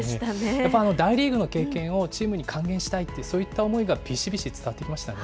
やっぱ大リーグの経験をチームに還元したいっていう、そういった思いがびしびし伝わってきましたね。